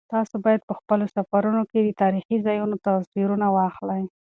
تاسو باید په خپلو سفرونو کې د تاریخي ځایونو تصویرونه واخلئ.